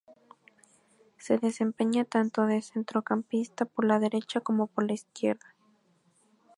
Se desempeña tanto de centrocampista por la derecha como por la izquierda.